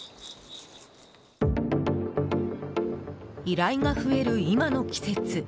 依頼が増える今の季節。